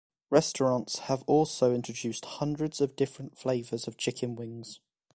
Restaurants have also introduced hundreds of different flavors of chicken wings.